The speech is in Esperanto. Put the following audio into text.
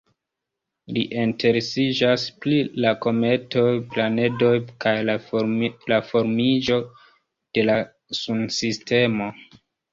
Li interesiĝas pri la kometoj, planedoj kaj la formiĝo de la Sunsistemo.